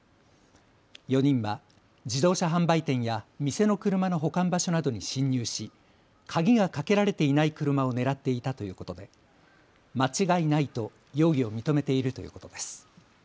４人は自動車販売店や店の車の保管場所などに侵入し鍵がかけられていない車を狙っていたということで、間違いないと容疑を認めているということです。